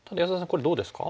これどうですか？